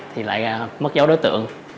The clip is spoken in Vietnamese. thì lại mất dấu đối tượng